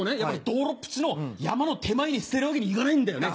道路っぷちの山の手前に捨てるわけにいかないんだよね。